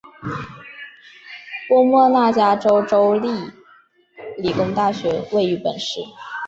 波莫纳加州州立理工大学位于本市。